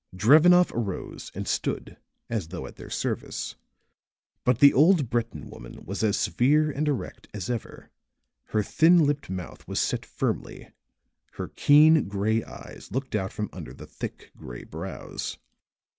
Drevenoff arose and stood as though at their service. But the old Breton woman was as severe and erect as ever; her thin lipped mouth was set firmly, her keen gray eyes looked out from under the thick gray brows.